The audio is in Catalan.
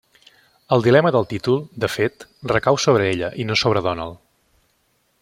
El dilema del títol, de fet, recau sobre ella i no sobre Donald.